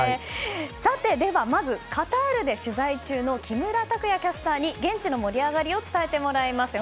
さて、まずカタールで取材中の木村拓也キャスターに現地の盛り上がりを伝えてもらいます。